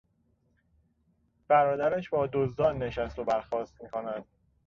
برادرش با دزدان نشست و برخاست میکند.